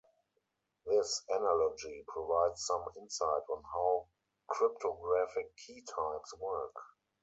This analogy provides some insight on how cryptographic key types work.